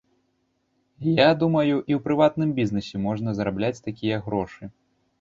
Я думаю, і ў прыватным бізнэсе можна зарабляць такія грошы.